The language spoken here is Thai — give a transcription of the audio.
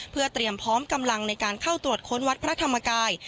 เพื่อเตรียมพร้อมกำลังในการเข้าตรวจค้นวัดพระธรรมกาย